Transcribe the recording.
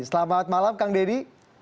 selamat malam kang deddy